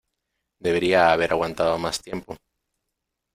Debería haber aguantado más tiempo.